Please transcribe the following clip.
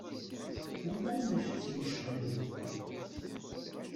Anta i m-iḥettmen ccɣel-agi?